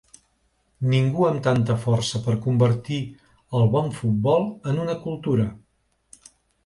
Ningú amb tanta força per convertir el bon futbol en una cultura.